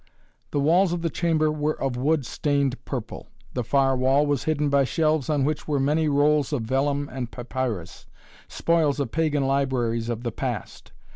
The walls of the chamber were of wood stained purple. The far wall was hidden by shelves on which were many rolls of vellum and papyrus, spoils of pagan libraries of the past.